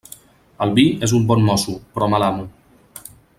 El vi és un bon mosso, però mal amo.